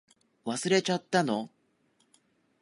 忘れちゃったの？